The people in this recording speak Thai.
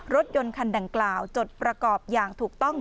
รถยนต์คันดังกล่าวจดประกอบอย่างถูกต้อง